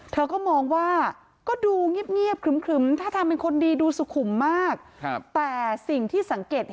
เธอก็มองว่าก็ดูเงี๊ยบกลึ้มถ้าทำเป็นคนดีดูสุขุมมาก